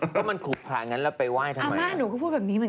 ก็มันขลุกขะอย่างนั้นไปไหว้ทำไม